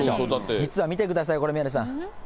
実は見てください、宮根さん。